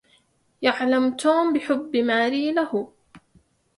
يعلم توم بحبّ ماري له.